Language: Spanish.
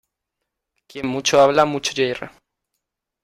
Quien mucho habla, mucho yerra.